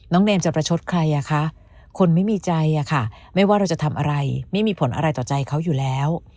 เนมจะประชดใครอ่ะคะคนไม่มีใจอะค่ะไม่ว่าเราจะทำอะไรไม่มีผลอะไรต่อใจเขาอยู่แล้ว